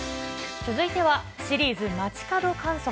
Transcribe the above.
続いてはシリーズ、街角観測。